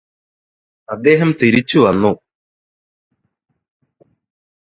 അദ്ദേഹം തിരിച്ച് വന്നു